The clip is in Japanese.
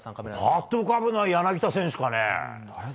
ぱっと浮かぶのは柳田選手か